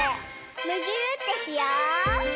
むぎゅーってしよう！